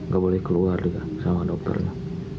gak boleh keluar juga sama dokternya